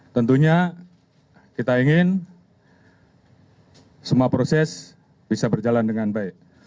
tentunya kita ingin semua proses bisa berjalan dengan baik